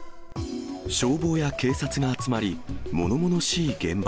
消防や警察が集まり、ものものしい現場。